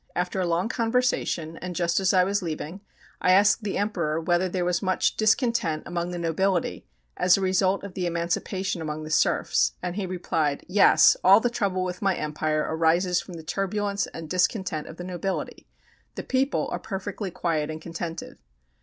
After a long conversation, and just as I was leaving, I asked the Emperor whether there was much discontent among the nobility as a result of the emancipation among the serfs, and he replied, "Yes, all the trouble with my empire arises from the turbulence and discontent of the nobility. The people are perfectly quiet and contented."